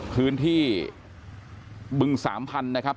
พื้นที่บึงสามพันธุ์นะครับ